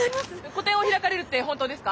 個展を開かれるって本当ですか？